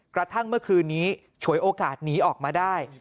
กระทั่งเมื่อคืนนี้ฉวยโอกาสหนีออกมาได้